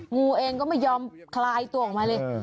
งูเองก็ไม่ยอมคลายตัวออกมาเลย